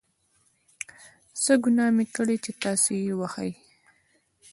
څه ګناه مې کړې ده چې تاسې یې وهئ.